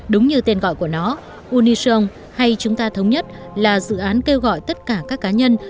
đúng như tên gọi của nó uniston hay chúng ta thống nhất là dự án kêu gọi tất cả các cá nhân